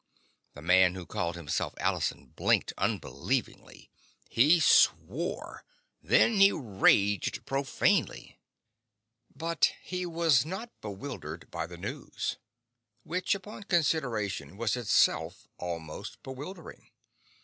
The man who called himself Allison blinked unbelievingly. He swore. Then he raged profanely. But he was not bewildered by the news. Which, upon consideration, was itself almost bewildering.